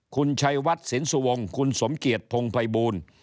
คุณชัยวัดสินสุวงศ์คุณสมเกียจพงภัยบูล